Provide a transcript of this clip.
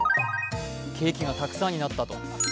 ケーキがたくさんになったと。